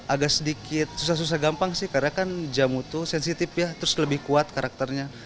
agak sedikit susah susah gampang sih karena kan jamu tuh sensitif ya terus lebih kuat karakternya